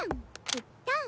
ペッタン！